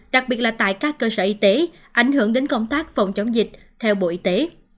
đặc biệt là tại các cơ sở y tế ảnh hưởng đến công tác phòng chống dịch theo bộ y tế